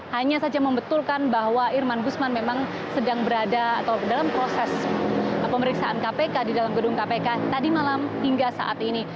hanya saja membetulkan bahwa irman gusman memang sedang berada atau dalam proses pemeriksaan kpk di dalam gedung kpk tadi malam hingga saat ini